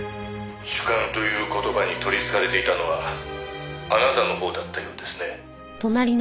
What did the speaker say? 「主幹という言葉に取り憑かれていたのはあなたのほうだったようですね」